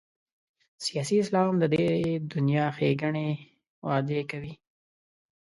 سیاسي اسلام د دې دنیا ښېګڼې وعدې کوي.